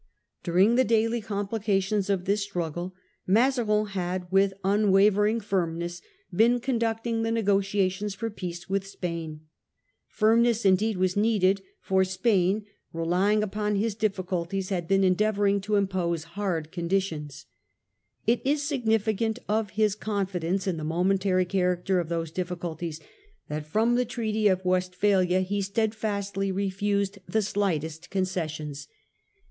During the daily complications of this struggle Maza rin had with unwavering firmness been conducting the The war negotiations for peace with Spain. Firmness Firmnes^o'f * n ^ ee( ^ was needed; for Spain, relying upon Mazarin. his difficulties, had been endeavouring to im pose hard conditions. It is significant of his confi dence in the momentary character of those difficul ties that from the Treaty of Westphalia he steadfastly refused the slightest concessions.